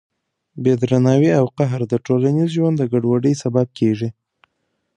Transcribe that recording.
بې درناوي او قهر د ټولنیز ژوند د ګډوډۍ سبب کېږي.